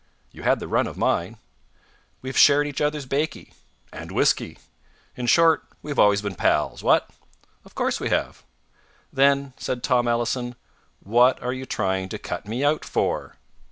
"You had the run of mine." "We've shared each other's baccy." "And whisky." "In short, we've always been pals. What?" "Of course we have." "Then," said Tom Ellison, "what are you trying to cut me out for?"